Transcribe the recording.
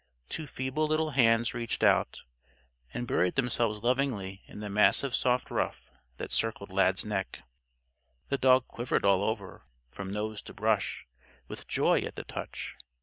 Two feeble little hands reached out and buried themselves lovingly in the mass of soft ruff that circled Lad's neck. The dog quivered all over, from nose to brush, with joy at the touch.